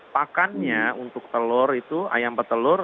pakannya untuk telur itu ayam petelur